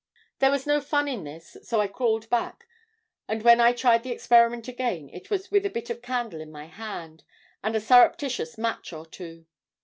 "There was no fun in this, so I crawled back, and when I tried the experiment again, it was with a bit of candle in my hand, and a surreptitious match or two.